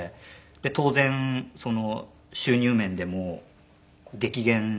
当然収入面でも激減したので。